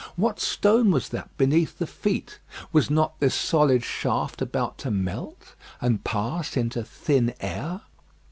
What stone was that beneath the feet? Was not this solid shaft about to melt and pass into thin air?